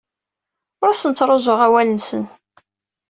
Ur asen-ttruẓuɣ awal-nsen.